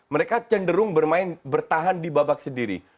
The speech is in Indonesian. mereka cenderung bertahan di babak sendiri